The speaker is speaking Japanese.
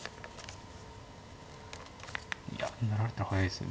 いや成られたら速いですね。